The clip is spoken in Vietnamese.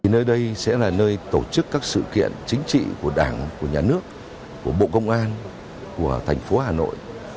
nơi đây sẽ là nơi tổ chức các sự kiện chính trị của đảng của nhà nước của bộ công an của thành phố hà nội